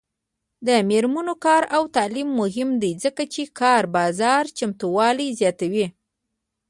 د میرمنو کار او تعلیم مهم دی ځکه چې کار بازار چمتووالي زیاتوي.